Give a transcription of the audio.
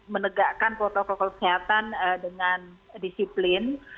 menegakkan protokol kesehatan dengan disiplin